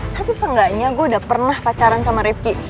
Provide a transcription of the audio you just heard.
tapi seenggaknya gue udah pernah pacaran sama rifki